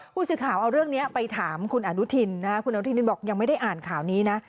ผู้สื่อข่าวเอาเรื่องนี้ไปถามคุณอนุทินคุณอนุทินบอกยังไม่ได้อ่านข่าวนี้นะ